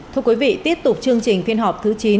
thưa quý vị tiếp tục chương trình phiên họp thứ chín